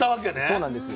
そうなんです。